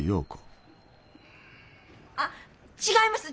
あっ違います！